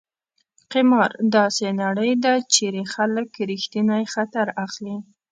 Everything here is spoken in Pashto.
قمار: داسې نړۍ ده چېرې خلک ریښتینی خطر اخلي.